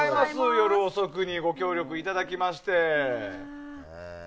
夜遅くにご協力いただきまして。